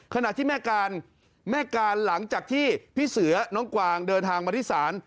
ขณะที่แม่การแม่การหลังจากที่พี่เสือน้องกวางเดินทางมาที่ศาล